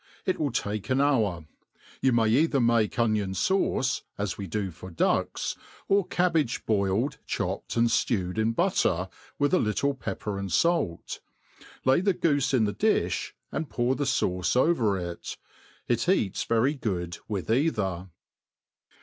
It will take an hour. You may either make onion fauce, as we do for ducks, or cabbage boiled, chopped, and ftewed in butter, with a little pepper and fait; lay the goofe in the difb, and pour the fauoe overJt. It eats very good with either.